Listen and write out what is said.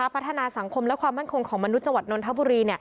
พัฒนาสังคมและความมั่นคงของมนุษย์จังหวัดนนทบุรี